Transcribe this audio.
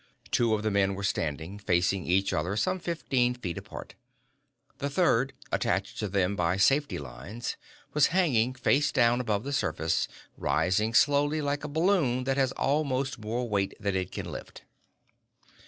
Two of the men were standing, facing each other some fifteen feet apart. The third, attached to them by safety lines, was hanging face down above the surface, rising slowly, like a balloon that has almost more weight than it can lift.